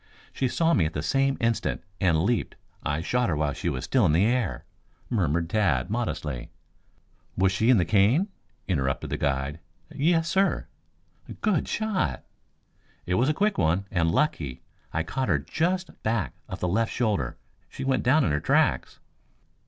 She saw me at the same instant, and leaped. I shot her while she was still in the air," murmured Tad modestly. "Was she in the cane?" interrupted the guide. "Yes, sir." "Good shot!" "It was a quick one, and lucky. I caught her just back of the left shoulder. She went down in her tracks."